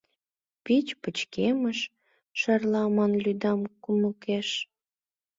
Пич пычкемыш шарла ман лӱдам кумдыкеш.